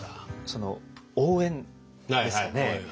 その応援ですかね